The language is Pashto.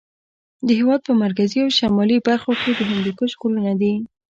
د هېواد په مرکزي او شمالي برخو کې د هندوکش غرونه دي.